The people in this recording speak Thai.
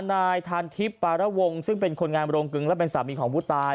นายทานทิพย์ปาระวงซึ่งเป็นคนงานโรงกึงและเป็นสามีของผู้ตาย